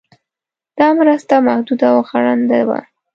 دا مرسته محدوده او غړنده وه.